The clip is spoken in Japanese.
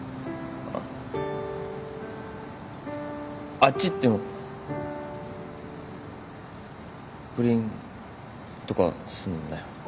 あのあっち行っても不倫とかすんなよ。